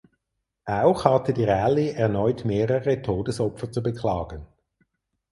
Auch hatte die Rallye erneut mehrere Todesopfer zu beklagen.